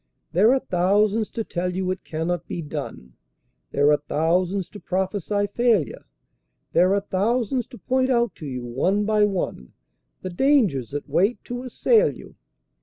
There are thousands to tell you it cannot be done, There are thousands to prophesy failure; There are thousands to point out to you one by one, The dangers that wait to assail you.